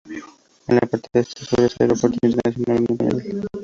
En la parte sur está el aeropuerto internacional, único en la isla.